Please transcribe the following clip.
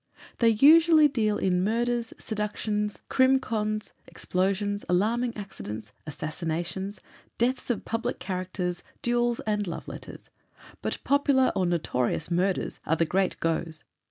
They usually deal in murders, seductions, crim. cons., explosions, alarming accidents, 'assassinations,' deaths of public characters, duels, and love letters. But popular, or notorious murders are the 'great goes.